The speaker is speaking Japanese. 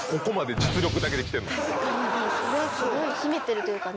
確かにすごい秘めてるというかね。